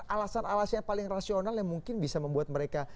alasan alasannya paling rasional yang mungkin bisa membuat mereka